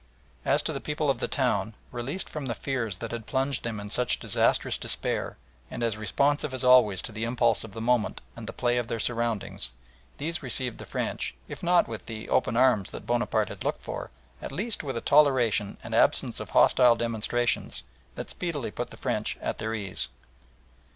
As to the people of the town, released from the fears that had plunged them in such disastrous despair and as responsive as always to the impulse of the moment and the play of their surroundings, these received the French, if not with the open arms that Bonaparte had looked for, at least with a toleration and absence of hostile demonstration that speedily put the French at their ease.